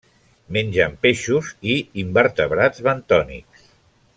Mengen peixos i invertebrats bentònics.